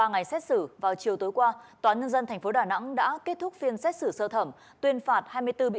ngày chiều tối qua tòa nhân dân thành phố đà nẵng đã kết thúc phiên xét xử sơ thẩm tuyên phạt hai mươi bốn bị